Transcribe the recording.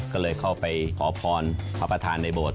ก็เลยเข้าไปขอพรพระประธานในโบสถ